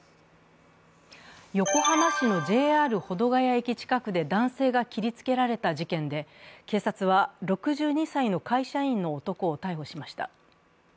横浜市のＪＲ保土ケ谷駅近くで男性が切りつけられた事件で、警察は６２歳の会社員の男を逮捕しました。